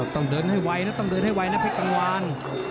ต้องเดินให้ไวนะต้องเดินให้ไวนะเพชรกังวาน